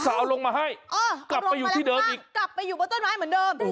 สาวลงมาให้อีกกลับไปอยู่ต้นไม้เหมือนเดิม